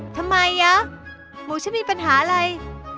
ทำไมยะหมูฉันมีปัญหาอะไร